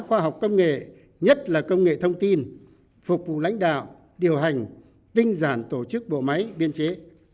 khoa học công nghệ nhất là công nghệ thông tin phục vụ lãnh đạo điều hành tinh giản tổ chức bộ máy biên chế